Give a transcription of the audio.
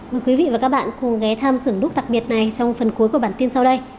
mời quý vị và các bạn cùng ghé thăm xưởng đúc đặc biệt này trong phần cuối của bản tin sau đây